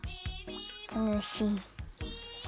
たのしい。